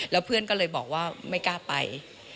แล้วเพื่อนก็เลยบอกว่าไม่กล้าไป